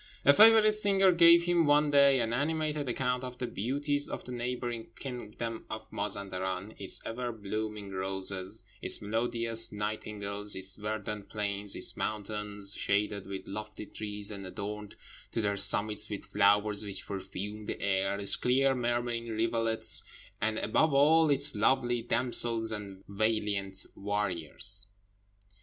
A favourite singer gave him one day an animated account of the beauties of the neighbouring kingdom of Mazenderan: its ever blooming roses, its melodious nightingales, its verdant plains, its mountains shaded with lofty trees, and adorned to their summits with flowers which perfumed the air, its clear murmuring rivulets, and, above all, its lovely damsels and valiant warriors.